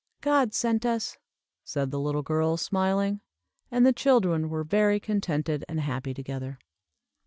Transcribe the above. "God sent us," said the little girl, smiling. And the children were very contented and happy together.